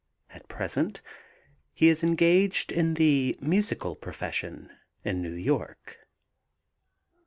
At present he is engaged in the musical profession in New York.